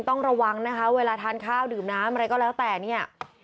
ต้องระวังนะคะเวลาทานข้าวดื่มน้ำอะไรก็แล้วแต่เนี่ย